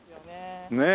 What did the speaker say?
ねえ。